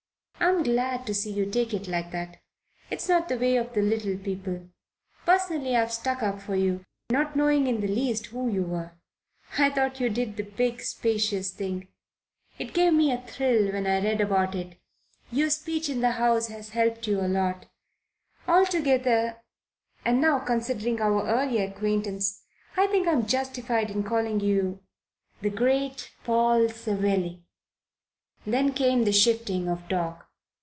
"I'm glad to see you take it like that. It's not the way of the little people. Personally, I've stuck up for you, not knowing in the least who you were. I thought you did the big, spacious thing. It gave me a thrill when I read about it. Your speech in the House has helped you a lot. Altogether and now considering our early acquaintance I think I'm justified in calling you 'the great Paul Savelli.'" Then came the shifting of talk.